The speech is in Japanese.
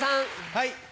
はい。